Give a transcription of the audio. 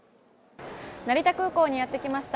成田空港にやってきました。